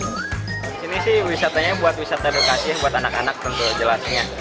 di sini sih wisatanya buat wisata edukasi buat anak anak tentu jelasnya